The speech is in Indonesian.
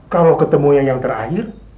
kalau ketemu yang terakhir